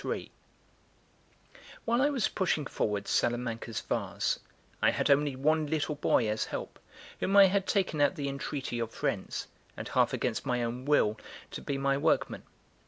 34. XXIII WHILE I was pushing forward Salamanca's vase, I had only one little boy as help, whom I had taken at the entreaty of friends, and half against my own will, to be my workman.